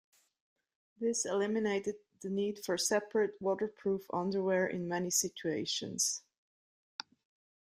This eliminated the need for separate waterproof underwear in many situations.